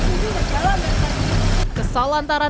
tidak tak kunjung tak jalan tak jalan